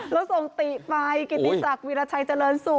เราส่งติไปกิติศักดิราชัยเจริญสุข